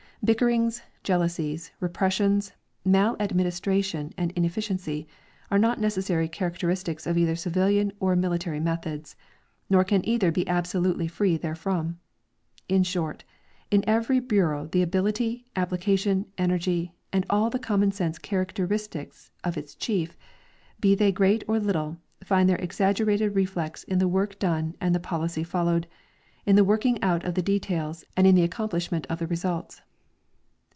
Bickerings, jealousies, repressions, maladministration and inefficiency are not necessary characteristics of either civilian or military methods, nor can either be alisolijtely free therefrom. In short, in every l)ureau the ability, api^lication, energy and all the common sense characteristics of its chief, be they great or little, find their exaggerated reflex in the work done and the policy followed, in the working out of details and in the accomjjlishment of results.